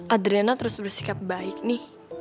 adrena terus bersikap baik nih